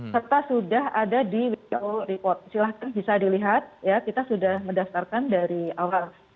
serta sudah ada di who report silahkan bisa dilihat ya kita sudah mendaftarkan dari awal